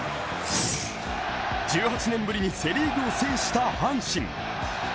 １８年ぶりにセ・リーグを制した阪神。